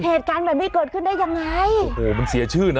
เหตุการณ์แบบนี้เกิดขึ้นได้ยังไงเออมันเสียชื่อนะ